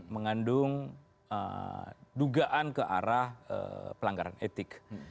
mengandung dugaan ke arah pelanggaran etik